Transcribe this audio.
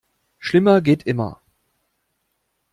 Schlimmer geht immer.